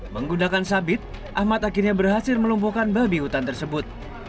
menggunakan sabit ahmad akhirnya berhasil melumpuhkan babi hutan tersebut